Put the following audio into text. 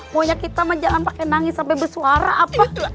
muanya kita mah jangan pake nangis sampe bersuara apa